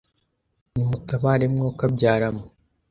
ni mutabare mwokabyara mwe